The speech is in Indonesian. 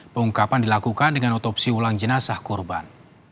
pengungkapan dilakukan dengan otopsi ulang jenazah korban